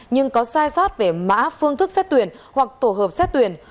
nhưng có sai sót về mã phương thức xét tuyển hoặc tổ hợp xét tuyển